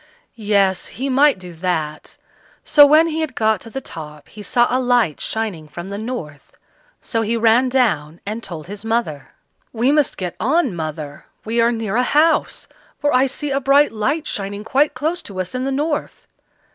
Yes! he might do that; so when he had got to the top he saw a light shining from the north. So he ran down and told his mother. "We must get on, mother; we are near a house, for I see a bright light shining quite close to us in the north."